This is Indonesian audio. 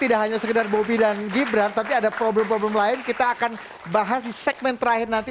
tidak hanya sekedar bobi dan gibran tapi ada problem problem lain kita akan bahas di segmen terakhir nanti